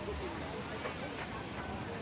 สวัสดีสวัสดี